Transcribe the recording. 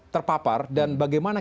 terpapar dan bagaimana